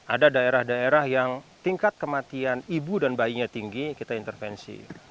ada daerah daerah yang tingkat kematian ibu dan bayinya tinggi kita intervensi